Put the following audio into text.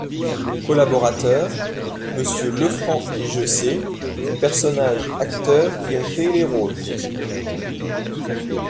COLLABORATEURS : MMonsieur LEFRANC et JESSÉ PERSONNAGES Acteurs qui ont créé les rôles.